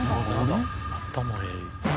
頭ええ。